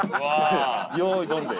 用意ドンで。